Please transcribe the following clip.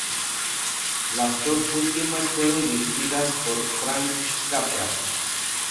Las dos últimas fueron dirigidas por Frank Capra.